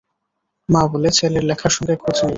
মা বলে, ছেলের লেখার সঙ্গে খোঁজ নেই।